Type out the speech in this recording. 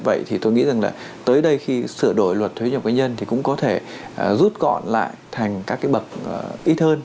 vậy thì tôi nghĩ rằng là tới đây khi sửa đổi luật thuế nhập cá nhân thì cũng có thể rút gọn lại thành các cái bậc ít hơn